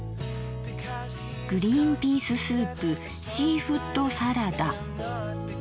「グリンピーススープシーフッドサラダ」。